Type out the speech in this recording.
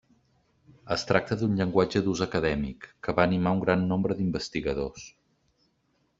Es tracta d'un llenguatge d'ús acadèmic, que va animar un gran nombre d'investigadors.